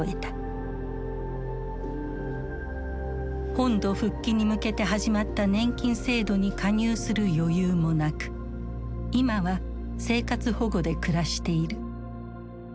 本土復帰に向けて始まった年金制度に加入する余裕もなく今は生活保護で暮らしている。